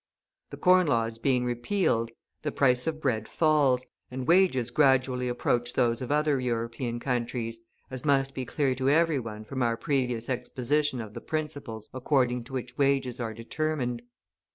The Corn Laws being repealed, the price of bread falls, and wages gradually approach those of other European countries, as must be clear to every one from our previous exposition of the principles according to which wages are determined.